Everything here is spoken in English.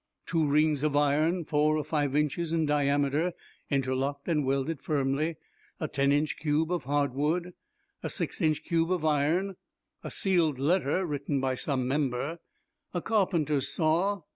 "'Two rings of iron, four or five inches in diameter, interlocked and welded firmly. "'A ten inch cube of hard wood. "'A six inch cube of iron. "'A sealed letter, written by some member. "'A carpenter's saw.